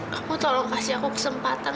kamu tolong kasih aku kesempatan